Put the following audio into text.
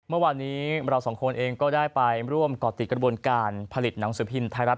เมื่อวานนี้เราสองคนเองก็ได้ไปร่วมก่อติดกระบวนการผลิตหนังสือพิมพ์ไทยรัฐ